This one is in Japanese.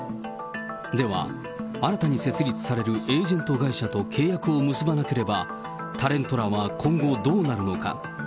では、新たに設立されるエージェント会社と契約を結ばなければ、タレントらは今後どうなるのか。